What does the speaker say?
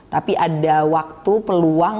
tapi ada waktu peluang